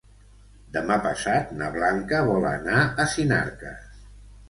Demà passat na Blanca vol anar a Sinarques.